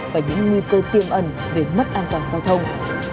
và những nguy cơ tiềm ẩn về mất an toàn giao thông